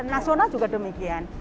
nasional juga demikian